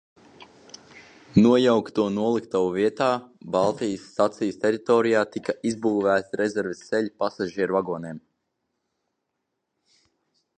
Nojaukto noliktavu vietā Baltijas stacijas teritorijā tika izbūvēti rezerves ceļi pasažieru vagoniem.